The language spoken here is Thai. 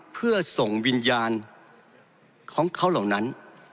เพื่อส่งวิญญาณของเขาเหล่านั้น